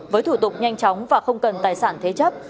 với thủ tục nhanh chóng và không cần tài sản thế chấp